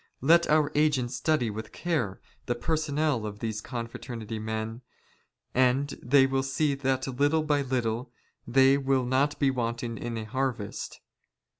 "Let our agents study with care the persoymel of these confra " ternity men, and they will see that little by little, they will " not be wanting in a harvest.